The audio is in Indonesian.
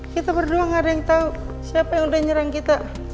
kita berdua gak ada yang tahu siapa yang udah nyerang kita